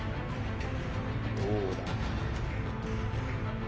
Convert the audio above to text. どうだ？